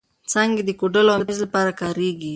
څانګې یې د کوډلو او مېزو لپاره کارېږي.